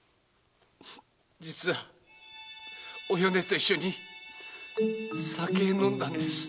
実はお米と一緒に酒飲んだんです。